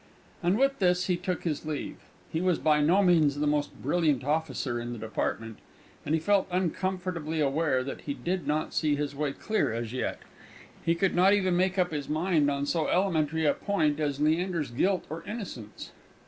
And with this he took his leave. He was by no means the most brilliant officer in the Department, and he felt uncomfortably aware that he did not see his way clear as yet. He could not even make up his mind on so elementary a point as Leander's guilt or innocence.